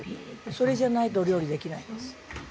それじゃないとお料理できないんです。